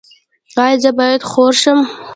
ایا زه باید خور شم؟